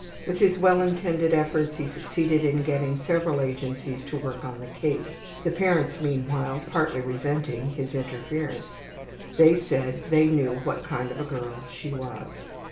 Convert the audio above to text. With his well intended efforts he succeeded in getting several agencies to work on the case, the parents meanwhile partly resenting his interference. They said they knew what kind of a girl she was.